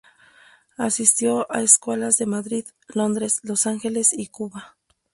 Asistió a escuelas de Madrid, Londres, Los Ángeles y Cuba.